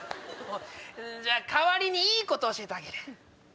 じゃあ代わりにいいこと教えてあげる。